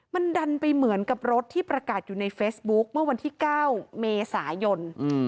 มันดันไปเหมือนกับรถที่ประกาศอยู่ในเฟซบุ๊คเมื่อวันที่๙เมษายน